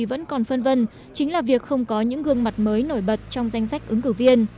vẫn còn phân vân chính là việc không có những gương mặt mới nổi bật trong danh sách ứng cử viên